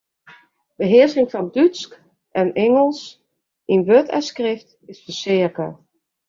Behearsking fan Dútsk en Ingelsk yn wurd en skrift is fereaske.